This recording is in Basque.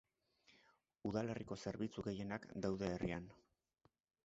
Udalerriko zerbitzu gehienak daude herrian.